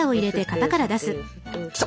きた！